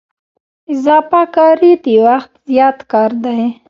اضافه کاري د وخت زیات کار دی